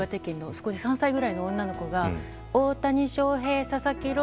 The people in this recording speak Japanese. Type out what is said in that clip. そこで３歳ぐらいの女の子が大谷翔平、佐々木朗